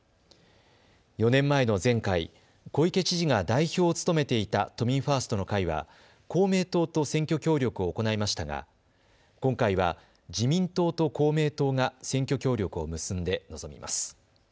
４年前の前回、小池知事が代表を務めていた都民ファーストの会は公明党と選挙協力を行いましたが今回は自民党と公明党が選挙協力を結んで臨みます。